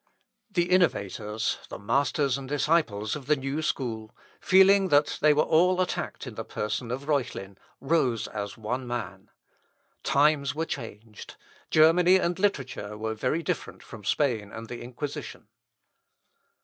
The Innovators, the masters and disciples of the new school, feeling that they were all attacked in the person of Reuchlin, rose as one man. Times were changed, Germany and literature were very different from Spain and the Inquisition.